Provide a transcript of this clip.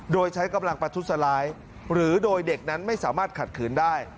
โดยใช้กำลังประทุษร้ายหรือโดยเด็กนั้นไม่สามารถขัดขืนได้